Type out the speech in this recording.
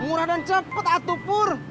murah dan cepet atuh pur